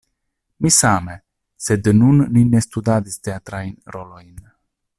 Mi same, sed nun ni ne studadis teatrajn rolojn.